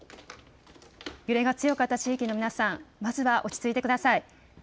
揺れが強かった地域の皆さん、まずは落ち着いてください。